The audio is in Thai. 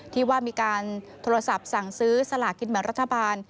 ที่ว่ามีการโทรศัพท์สั่งซื้อสลากินแบ่งรัฐบาล